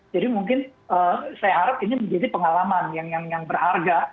jadi mungkin saya harap ini menjadi pengalaman yang berharga